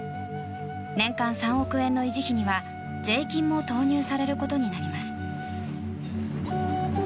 年間３億円の維持費には税金も投入されることになります。